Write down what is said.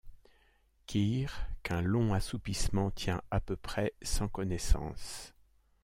Kear, qu’un long assoupissement tient à peu près sans connaissance.